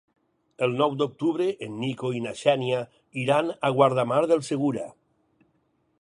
El nou d'octubre en Nico i na Xènia iran a Guardamar del Segura.